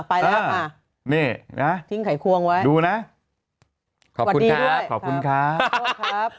ไปแล้วค่ะนี่นะทิ้งไขควงไว้ดูนะขอบคุณครับขอบคุณครับ